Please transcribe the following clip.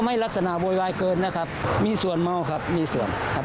ลักษณะโวยวายเกินนะครับมีส่วนเมาครับมีส่วนครับ